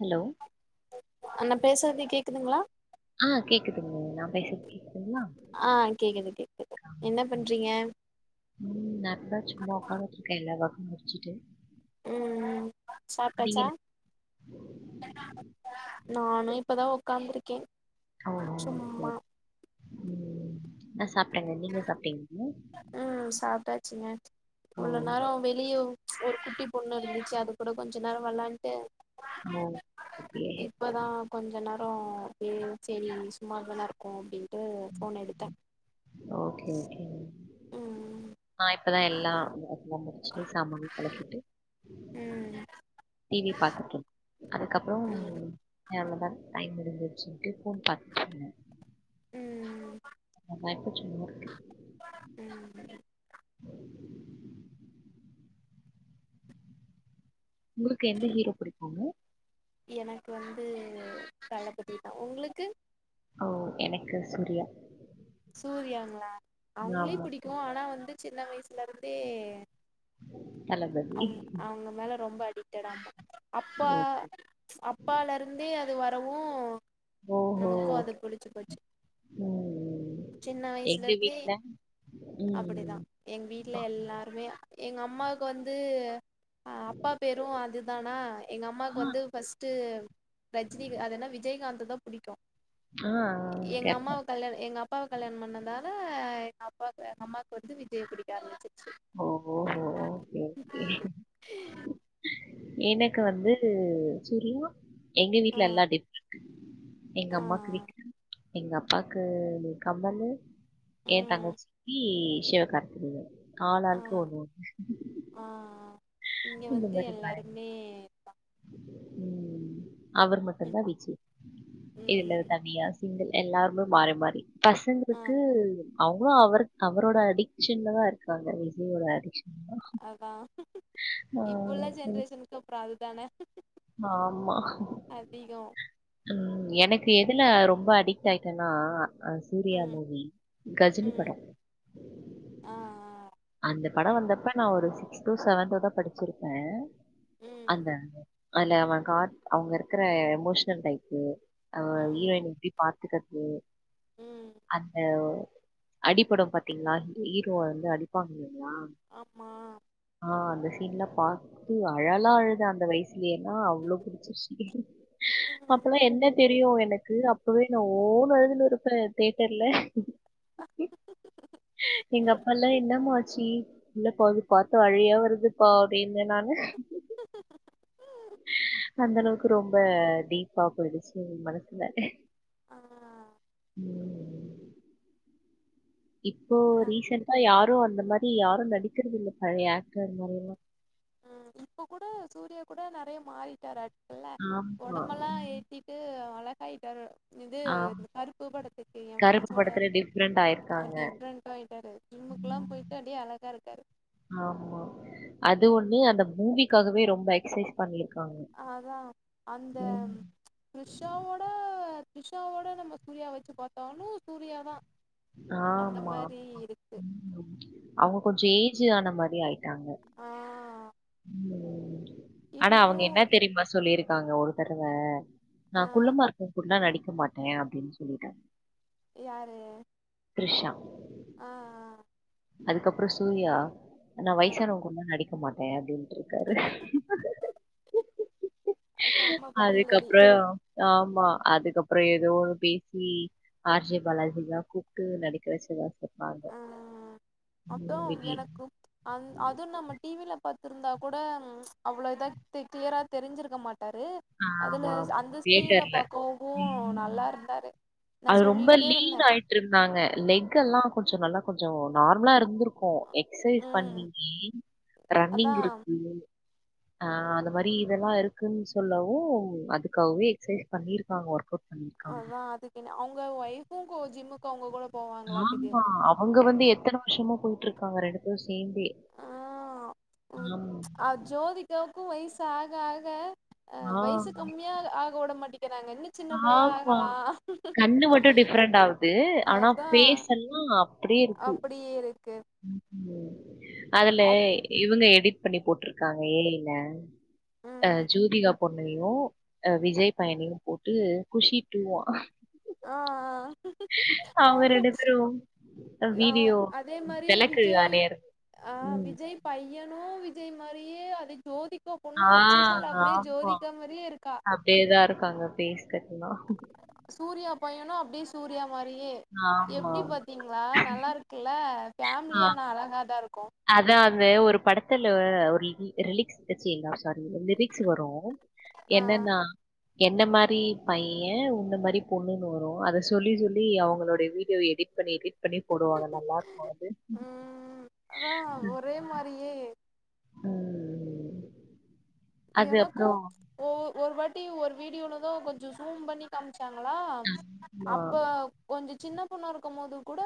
Hello நா பேசுறது கேக்குதுங்ளா ஆ கேக்குதுங்க நா பேசுறது கேக் ஆ கேக்குது கேக்குது என்ன பண்றீங்க ம் நா இப்பதா சும்மா உக்காந்துட்ருக்கே எல்லா ஒர்க்கும் முடிச்சுட்டு ம் ம் நீங்க சாப்டாச்சா என்ன நானு இப்பதா உக்காந்துருக்கே ஓ ஓ, சரி சும்மா ம் நா சாப்டேங்க நீங்க சாப்ட்டீங்களா ம் சாப்ட்டாச்சுங்க இவ்ளோ ஓ நேரம் வெளிய ஒரு குட்டி பொண்ணு இருந்துச்சு அது கூட கொஞ்சொ நேரோ வெளாண்ட்டு ஓ ஓகே இப்பதா கொஞ்ச நேரோ அப்பியே சரி சும்மா தானே இருக்கோ அப்டின்ட்டு ஃபோன எடுத்தே ஓகே ஓகேங்க ம் நா இப்பதா எல்லா ஒர்க்குல்லா முடிச்சுட்டு சாமானு தொளக்கிட்டு ம் டி வி பாத்துட்டுருக் அதுக்கப்றோ ம் ம் அவ்ளோதா டைம் முடிஞ்சிருச்சுன்ட்டு கூப்டாங் ம் நா இப்போ சும்மா இருக்கே ம் உங்களுக்கு எந்த ஹீரோ புடிக்கூங்க எனக்கு வந்து தளபதி தா உங்ளுக்கு ஓ எனக்கு சூரியா சூர்யாங்களா அவுங்களையு ஆமாம் பிடிக்கு ஆனா வந்து சின்ன வயசுல இருந்தே தளபதி அவுங் அவுங்க மேல ரொம்ப அடி ட்டடு ஆமா அப்பா ஓ அப்பால இருந்தே அது வரவு நமக்கு அத புடிச்சு போச்சு ம் ம் சின்ன வயசுல எங்க இருந்தே வீட்ல அப்டிதா ம். எங்க வீட்ல எல்லாருமே எங்க அம்மாவுக்கு வந்து அ அப்பா பேரும் அதுதானா எங்க அம்மாக்கு வந்து ஃபஸ்ட்டு ரஜினி அது எனா விஜயகாந்த தா புடிக்கும் ஆ எங்க கேட்பேன். அம்மாவ கல்யாணம் எங்க அ அப்பாவ கல்யாணம் பண்ணதால எங்க அப்பாக்கு எங்க அம்மாவுக்கு வந்து விஜய புடிக்க ஆரம்பிச்சு ஓ! ஓஹோ! ஓகே, ச்சு ஓகே. எனக்கு வந்து சூரியா எங்க ஆ வீட்டுல எல்லா டிஃப்ரென்ட் எங்க அம்மாக்கு ஆ விக்ரம் எங்க அப்பாக்கு கமலு ஏ ம் தங்கசிக்கி சிவகார்த்திகேயன் ஆ ஆளாளுக்கு ஒன்னு ஒன்னு ஆ இங்க வந்து மாரி பாருங்க. எல்லாருமே ம் அவர் மட்டும்தா விஜய் இல்ல ம் தனியா சிங்குள் எல்லாருமே மாறி மாறி ஆ பசங்களுக்கு அவுங்ளுஅவரு அவரோட அடிக்க்ஷன்ல தா இருக்காங்க விஜயோட அடிக்ஷன் தா அதா இப்ப உள்ள ம். ஜெனரேஷனுக்கு அப்ற அதுதான ஆமா அதிகொ ம் எனக்கு எதுல ரொம்ப அடிக்ட் ஆய்ட்டேன்னா அ சூர்யா ம் மூவி கஜினி ம் படம் ஆ ஆ அந்த படம் வந்தப்ப நா ஒரு சிக்ஸ் தோ செவன்தோ தா படிச்சிருப்பே ம் அந்த அதுல அவ கா அவுங்க இருக்கற எமோஷன் டைப்பு அவ யு ம் என் இப்டி பாத்துக்கது ம் அந்த அடிப்படும் பாத்தீங்களா ஈரோவ வந்து அடிப்பாங்கங்களா ஆமா ஆ அந்த சீன்ல பாத்து அழலா அழுது அந்த வயசு ஏன்னா அவ்ளோ புடிச்சிருச்சு ம் அப்ல்லாம் ம் என்ன தெரியும் எனக்கு அப்பவே நான் ஓன் அழுதுனு இருப்பேன் தேட்டர்ல எங்க அப்பல்லாம் என்னமாச்சி இல்லப்பா அது பாத்த அழ்கயா வருதுப்பா அப்டின் நானு அந்த அளவுக்கு ரொம்ப தீப் பாப்பயிடுச்சு மனசுல ஆ உம் இப்போ நா ரீசெண்டா யாரும் அந்த மாரி யாரும் நடிக்கறது இல்ல பழைய ஆக்டர் மாரி எல்லாம் உம் இப்ப கூட சூர்யா கூட நெறைய மாறிட்டாரு அடல்ல [inaudible] ஆமா. உடம்ப எல்லாம் ஏ ம். சுத்திட்டு அழகாயிட்டரு இது ஆம். கருப்பு படத்துக்கு என் கருப்பு ஃபிரெண்ட்ஸோட படத்துல டிஃபரெண்ட் ஆயிருக்காங்க. டிஃப்ரெண்ட்டா ஆயிட்டாரு ஜிம்முக்குல்லாம் போயிட்டு அப்டியே அழகா இருக்காரு ஆமா அது ஒன்னு அந்த மூவிக்காகவே ரொம்ப எக்சை பண்ணிருக்காங்க அதான் அந்த த்ரிஷாவோட த்ரிஷாவோட நம்ம சூர்யா வச்சு பாத்தோனும் சூர்யாதா அந்த ஆமா. மாரி இருக்கு ம் அவுங்க கொஞ்சம் ஏஜ் ஆன மாரி ஆயிட்டாங்க ஆ உம் ஆனா அவங்க இருந்தாலு என்ன தெரியுமா சொல்லியிருக்காங்க ஒரு தடவ ஆ நா குள்ளமாருக்கவ கூட்லா நடிக்க மாட்டேன் அப்டின்னு சொல்லிட்டார் யாரு த்ரிஷா ஆ ஆ அதுக்கப்புறோ சூர்யா அந்த ஆ வயசானவங்க கூடலா நடிக்க மாட்டே அப்டின்ட்டு இருக்காரு ஆ செம்ம பதிலடி அதுக்கப்புறோ ஆமா அதுக்கப்புறோ ஏதோ ஒன்னு பேசி ஆர் ஜே பாலாஜிலா கூப்ட்டு நடிக்க வச்சதா சொன்னாங்க. ம் அப்பறோ மூவிலி. எனக்கு அந் அது நம்ம டிவில பாத் திருந்தா கூட அவ்ளோ இதா து கிளியரா தெரிஞ்சிருக்க மாட்டாரு அதுல ஆமா. அந்த ஸ்கிரீன்ல தியேட்டர்ல. பாக்கவு ம். நல்லா இருந்தாரு நா சொல்லிக்கிட்டே இருந்தே திருந்தாங்க லெக் எல்லா கொஞ்சோ நல்லா கொஞ்சோ நார்மலா இருந்துருக் கு எக்சைஸ் ம் பண்ணீங்கே ரன்னிங் அதான் இருக்கு ஆ அந்த மாதிரி இதெல்லா இருக்குனு சொல்லவு அதுக்காகவே எக்சைஸ் பண்ணியிருக்காங்க ஒர்க் அவுட் பண்ணியிருக்காங்க. அதா அதுக்கு என்ன அவுங்க ஒய்ஃபுகு ஜிம்முக்கு அவுங்க கூட போவாங் ஆமா அவுங்க வந்து எத்தன வருஷமா போயிட்டு இருக்காங்க ரெண்டு பேரு சேர்ந்தே ஆ ஆமா. அது ஜோதிக்காவுக்கு வயசு ஆக ஆக ஆ வயசு கம்மியா ஆக விட மாட்டிகிறாங்க சின்ன புள்ளையா ஆமா. ஆகலா கண்ணு மட்டும் டிஃபரெண்ட் ஆகுது. ஆனா அதா ஃபேஸ் எல்லாம் அப்படியே இருக்கு. அப்டியே இருக்கு அதுல அப் இவுங்க எடிட் பண்ணி போட்டிருக்காங்க ஏ ஐ ல அ ம் ஜூதிகா பொண்ணையு அ விஜய் பையனையு போட்டு குஷி டூ ஆ ஆ ஆ அவுங்க ஆமா ரெண்டு பேரு ஆ வீடியோ அதே மாரி தெலக்கு விஜய் அதே இருக் ஆ ம் விஜய் பையனு விஜய் மாரியே அது ஜோதி கா பொண்ணு ஆ அச்சு அசல் அப்டியே ஜோதிகா மாரியே இருக்கா அப்டியேதா இருக்காங்க ஃபேஸ் கட்டெல்லா சூர்யா பையனு அப்டியே சூர்யா மாரியே எப்டி ஆமாமா. பாத்தீங்களா நல்லா இருக் கில்ல ஃபேமிலியானா அழகா தா இருக்கு அதா அந்த ஒரு படத்துல ஒரு ரிலீக்ஸ் ச்சீங்களா சாரி லிரிக்ஸ் வரும் ஆ என்னன்னா என்ன மாரி பையன் உன்ன மாரி பொண்ணுனு வரும் அத சொல்லி சொல்லி அவுங்களோட வீடியோ எடிட் இப்டி எடிட் பண்ணி போடுவாங்க நல்லா இருக்கு அது ஆ ஒரே மாரியே ம் ம் ம் எனக்கு ஒ ஒரு வாட்டி ஒரு வீடியோலதா கொஞ்சோ ஜூம் பண்ணி காமிச்சாங்களா ஆமா, அப்ப கொஞ்சோ சின்ன பொண்ணா இருக்கு போது கூட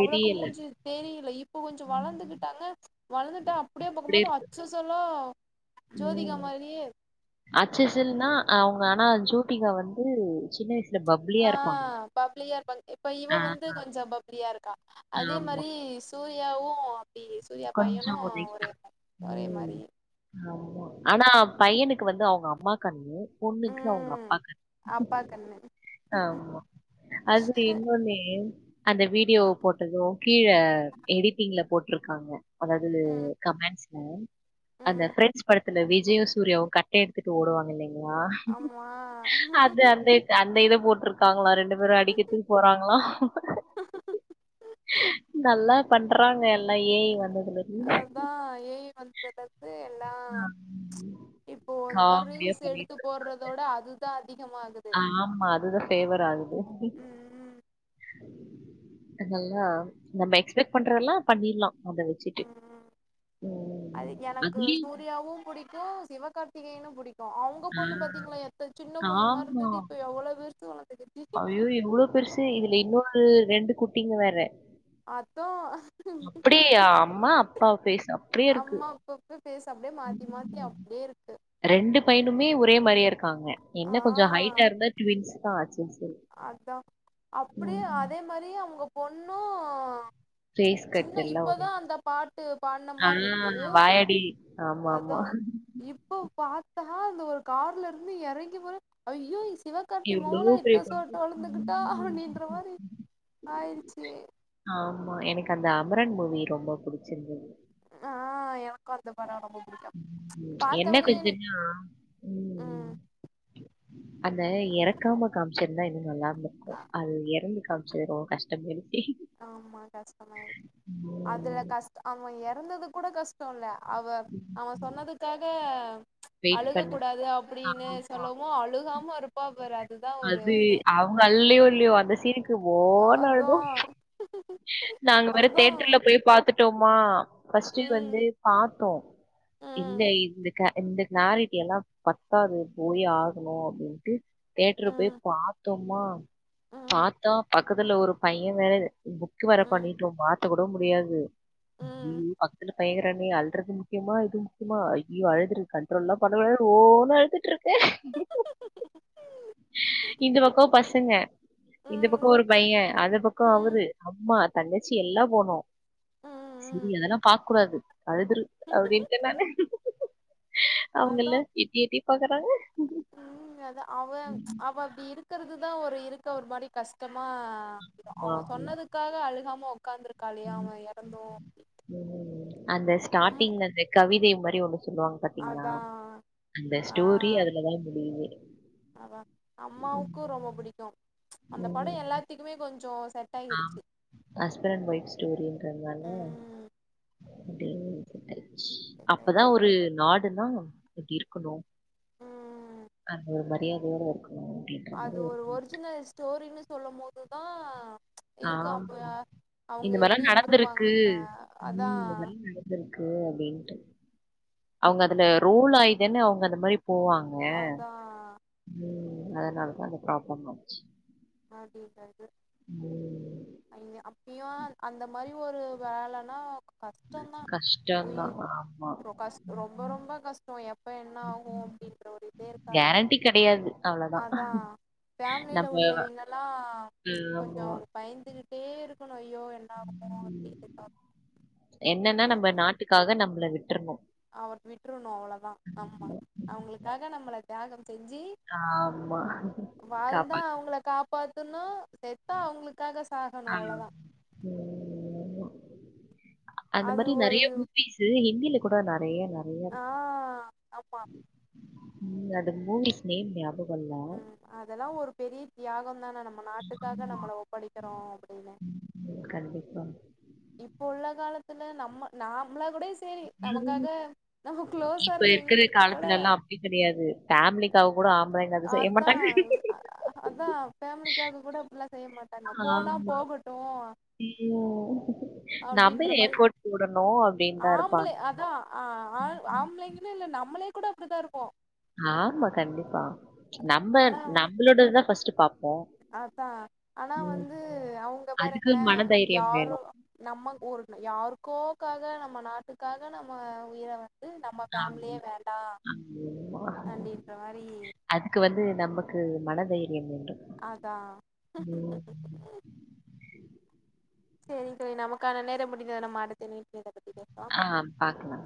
அவளுக்கு மூஞ்சு தெரியல இப்ப கொஞ்சோ வளர்ந்துகிட்டாங்க வளர்ந்துட்டா அப்டியே பாக்கும் இப்படி போது இருக்கு அச் சு அசலா ஜோதிகா மாரியே அச்சு அசல்னா அவுங்க அனா ஜோதிகா வந்து சின்ன வயசு ஆ பப்ளியா இருப்பாங்க இப்ப இவ ஆ, வந்து கொஞ்சோ பப்ளியா இருக்கா அதே ஆமா மாதிரி சூர்யாவு அப்டி சூர்யா பையனு கொஞ்சம் ஒரே மா ஒரே உம் மாதிரி ஆமா ஆனா பையனுக்கு வந்து அவுங்க அம்மா கண்ணு பொண்ணுக்கு அவுங்க ம் அப்பா கண்ணு அப்பா கண்ணு ஆமா அதுல இன்னொன்னு அந்த வீடியோ போட்டது கீழ எடிட்டிங்ல போட்ருக்காங்க அதாவுது ம் கமெண்ட்ஸ் அந்த ம் பிரென்ஸ் படத்துல விஜய்யு சூர்யாவு கட்டைய எடுத்துட்டு ஓடுவாங்க இல்லேங்களா ஆமா அந்த இத போட்ருக் காங்களா ரெண்டு பேரு அடிக்கிறதுக்கு போறாங்களா நல்லா பண்றாங்க எல்லா ஏஐ வந்தோன் அதா ஏ ஐ வந்தலருந் எல்லா ஆமா. இப்போ அந்த மாரி காமெடியா ரீல்ஸ் எடுத்து பண்ணிட்டு இருக்கு. போட்றதோட அது அதா அதிகமாகுது ஆமா அதுதா ஃபேவர் ஆகுது ம் அதல்லா நம்ம எக்ஸ்பெக்ட் பண்றதெல்லா பண்ணிட்லா அதவே ம் அது எனக்கு அதுலயும் சூர்யாவு புடிக்கு சிவ கார்த்திகையேன்னு புடிக்கு அவுங்க ஆ பொண்ணு பாத்தீங்களா எத்த சின்ன பொண்ணு மாரி ஆமா. இருந்தது இப்ப எவ்வளவு விருசு வளந்துக்கு ஐயோ! எவ்ளோ பெருசு இதுல இன்னொரு ரெண்டு குட்டிங்க வேற அத்தோ அப்டி அம்மா அப்பா பேசாம் அம்மா அப்பப்ப பேஸ் அப்டியே மாத்தி மாத்தி அப்டியே இருக்கு ரெண்டு பையனுமே ஒரே மாரியா இருக்காங்க என்ன கொஞ்சோ ஆ ஹைட்டா இருந்தா ட்வின்ஸ் தா ஆச்சுன் செரி அதா அப்டியே அதே மாரி அவுங்க பொண்ணு ஃபேஸ் கட் சின்ன எல்லாம் ஒரே இப்பதா அந்த பாட்டு பாட்ன மாரி இருக்கு நேடி ஆமா ஆமா இப்போ பாத்தா அந்த ஒரு கார்ல இருந்து எறங்கி போற ஐயோ இ சிவ கார்த்தி எவ்ளோ மவளா பெரிய இத்த சோட்ட பொண்ணு. உழுந்துகிட்டா ம். அப்படின்ற மாரி ஆயிடுச்சு ஆமா எனக்கு அந்த அமரன் மூவி ரொம்ப புடிச்சிருந்தது ஆ எனக்கு அந்த படோ ரொம்ப புடிக் ம். என்ன பார்த்தவனே எனக் கொஞ்சம்னா [unintelligible] ம் அத எறக்காம காமிச்சுந்தா இன்னு நல்லா இருந்துருக்கு அது எறந்து காமிச்சது ரொம்ப கஷ்டமே ஆமா கஷ்டமாயிடுச்சு அதுல ம். கஷ்ட அவ இறந்தது கூட கஷ் டோ இல்வ அவ அவ சொன்னதுக்காக வெயிட் அழுக பண்ணி கூடாது அப்டின்னு ஆமா. சொல்லவு அழுகாம இருப்பா பாரு அதுதா ஒரு இது அல்லியோலியோ அந்த சீனுக்கு ஓனு அதா அலுதோ நாங்க வேற அதா தேட்டர்ல போய் பாத்துட்டோமா பஃஸ்ட்டு வந்து ம் பாத்தோ இல்ல ம் இந்த க இந்த கிளாரிட்டி எல்லா பத்தாது போய் ஆகணு அப்டின்ட்டு தேட்டுரு போய் ம் பாத்தோமா ம் பாத்தா பக்கத்துல ஒரு பைய வேற புக்கு வேற ம் பண்ணிட்டு ஒருமா த்து கூட முடியாது ம் பத்து பயங்கர அணி அல் பண்றது முக்கியமா இது முக்கியமா ஐயோ அழுதுருக்கு கண்ட்ரோல் எல்லா பண்ண யோ ஓனு அழுதுட்டு இருக்கு இந்த பக்கோ பசங்க இந்த பக்கோ ம் ஒரு பைய அந்த பக்கோ ம் ம் அவரு அம்மா தங்கச்சி எல்லா போனோ சேரி ம் அதெல்லா பாக்க கூடாது அழுதுரு அப்டின்னுட்டு நானு அதா அவங்கல்ல எட்டி எட்டி பாக்கறாங்க ம் அத அவ அவ அப்டி இருக்குறது தா ஒரு இருக்க ஒரு மாரி கஷ்டமா ரிக்கிது அவ ஆமா. சொன்னதுக்காக அழுகாம உக்காந்துருக்காளே ம், அவ இறந்தோ ம் அந்த ஸ்டாட்டிங்ல அந்த கவிதை மாரி ஒண்ணு சொல்லுவாங்க பார்த்தீங்களா அதா அந்த ஸ்டோரி அதுலதா முடியுது ஆ ம், அம்மாவுக்கு ரொம்ப பிடிக்கு அந்த படம் எல்லாத்துக்குமே கொஞ்ச ச ஆ ஹஸ்பண்ட் அண்ட் ஒய்ஃப் ஸ்டோரின்றது தானே அ ம் செட் அப்பதா ஆயி ஒரு நாடுன்னா இப்டி இருக்கணு ம் அது ஒரு மரியாதையட இருக்கு அது ஒரு ஒரிஜினல் ஸ்டோரின்னு சொல்லு போது தா இருக்கு ஆம் அப்போ அவங்க இந்த மாதிரிலாம் எப்டி நடந்திருக்கு இருந்திருப்பாங்க அதா இருக்கு அப்டின்னுட்டு அவங்க அதுல ரோல் ஆயிதன்னு அவங்க அந்த மாறி போவாங்க அதா ம் அதனாலதா அந்த ப்ராப்ளம் அடிது ம் அப்பயு அந்த மாறி ஒரு வேலைனா கஷ்டந்தா போயி கஷ்டம்தான் ஆமா ரொம்ப ரொம்ப கஷ்ட இப்ப என்ன ஆகபோதோ அப்டின்ற ஒரு இத இருக்காது கேரண்டி கிடையாது அவ்வளவுதான் அதா ஃபேமிலியில நம்ம உள்ளவங்க எல்லா கொஞ்ச ஆமா பயந்துகிட்டே இருக்கணு ஐயோ என்ற என்னன்னா நம்ம அப்டின்னு நாட்டுக்காக நம்மள விட்டுருனோம் அவர் விட்டுருணு அவ்ளோ தா ஆமா அவங்களுக்காக நம்மள தியாகம் செஞ்சு ஆமா வாழ்ந்தா காப்பாத்து அவங்கள காப்பா பாத்தன்னா செத்தா அவங்களுக்காக சாகணு ஆ. அவ்வளோதா அந்த அது மாதிரி ஒரு நிறைய பேசு ஹிந்தியில கூட நிறைய நிறைய ஆ இருக்கு ஆமா ம் அது மூவிஸ் நேம் ஞாபகம்லா ம் அதெல்லா ஒரு பெரிய தியாகம் தானே நம்ம நாட்டுக்காக நம்மள ஒப்படைக்கிறோ அப்டின்னு கண்டிப்பா இப்ப உள்ள காலத்துல நம்ம நாமள கூட சேரி நமக்காக நம்ம குளோசா இப்ப இருக்கிற இருக்கெவங்க கூட காலத்துலலாம் அப்டி கிடையாது. ஃபேமிலிக்காக கூட ஆம்பளங்க அது செய்ய அதா மாட்டாங்க அதா ஃபேமலிக்காக கூட அப்பல்லா செய்ய மாட்டே ஆமா உ நம்ம அப்டின்ற மாரி ஏப்பர்ட் போடணு அப்டின்னுதா இருப்பாங்க ஆம்ளைங்கும் இல்ல நம்மளே கூட அப்படிதான் இருப்போம் ஆமா கண்டிப்பா நம்ம ஆனா நம்மளோடதான் பர்ஸ்ட்ட் பாப்போ அதா ஆனா வந்து அவங்க அதுக்கு பாருங்களேன் மனதைரியம் வேணும். யாரும் நம்ம ஒரு யாருக்கோக்காக நம்ம நாட்டுக்காக நம்ம உயிரை நம்ம ஆமா, ஃபேபேமிலியே வேண்டாம் ஆமா. அப்படின்ற மாதிரி அதுக்கு வந்து நமக்கு மனதைரியம் என்றும் அதா சரிங்க தோழி நமக்கான நேர முடிந்தது நம்ம‌ அடுத்த மீட்டில் இத பத்தி பேசலா ஆ பாக்கலாம்